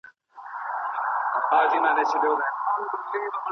دا طلاق په اجماع سره واقع کيږي.